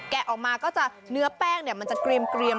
แกะออกมาเนื้อแป้งจะเกรียม